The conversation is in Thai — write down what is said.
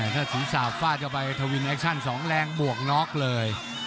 ถ้าสูญสาบฝ้าจะไปทวินแอคชั่น๒แรงบวกน็อคเลย